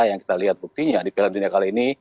yang kita lihat buktinya di piala dunia kali ini